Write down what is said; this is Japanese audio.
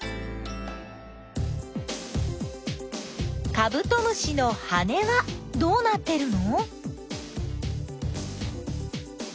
カブトムシの羽はどうなってるの？